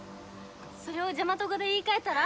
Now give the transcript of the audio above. それをジャマト語で言い換えたら？